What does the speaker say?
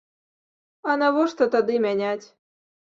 А навошта тады мяняць?